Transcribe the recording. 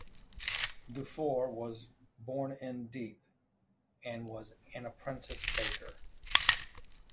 Dufour was born in Dieppe and was an apprentice baker.